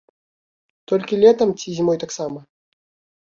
Толькі летам, ці зімой таксама?